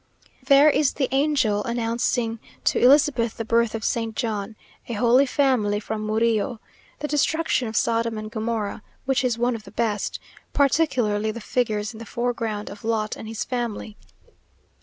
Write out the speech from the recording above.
There is the Angel announcing to Elizabeth the birth of Saint John; a Holy Family, from Murillo; the destruction of Sodom and Gomorrah, which is one of the best; particularly the figures in the foreground, of Lot and his family.